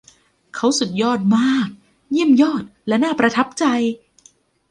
เขาสุดยอดมาก เยี่ยมยอดและน่าประทับใจ